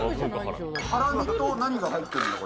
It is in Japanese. ハラミと何が入ってる？